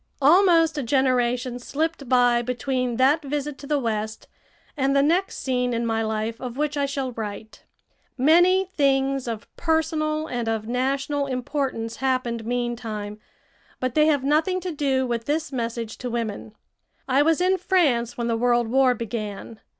Almost a generation slipped by between that visit to the West and the next scene in my life of which I shall write. Many things of personal and of national importance happened meantime, but they have nothing to do with this message to women. I was in France when the World War began.